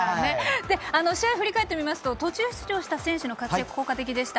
試合、振り返ってみますと途中出場した選手たちの活躍、効果的でした。